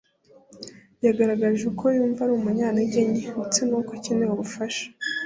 yagaragaje uko yumva ari umunyantege nke ndetse n’uko akeneye ubufasha.